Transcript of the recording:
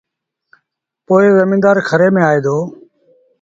پو زميݩدآر کري ميݩ آئي دو